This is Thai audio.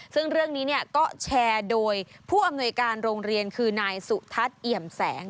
ซึ่งเรื่องนี้ก็แชร์โดยผู้อำนวยการโรงเรียนคือนายสุทัศน์เอี่ยมแสง